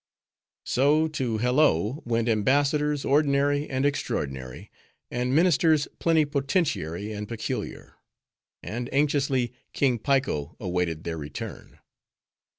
So to Hello went embassadors ordinary and extraordinary, and ministers plenipotentiary and peculiar; and anxiously King Piko awaited their return.